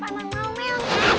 pamang mau mewang